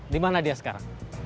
dimana dia sekarang